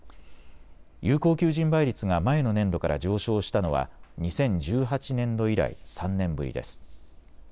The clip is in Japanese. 有効求人倍率が前の年度から上昇したのは２０１８年度以来３年ぶりです。